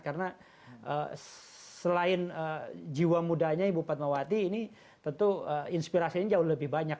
karena selain jiwa mudanya ibu padmawati ini tentu inspirasinya jauh lebih banyak